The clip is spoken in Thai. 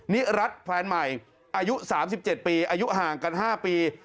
นิรัติแฟนใหม่อายุ๓๗ปีอายุห่างกัน๕ปี